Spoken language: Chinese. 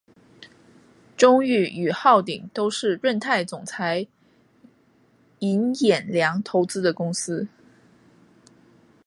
中裕与浩鼎都是润泰总裁尹衍梁投资的公司。